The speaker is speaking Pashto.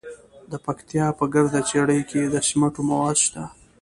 د پکتیا په ګرده څیړۍ کې د سمنټو مواد شته.